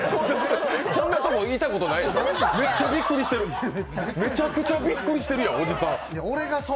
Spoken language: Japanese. こんなところ、いたことないでしょう？